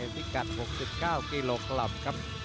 พิกัด๖๙กิโลกรัมครับ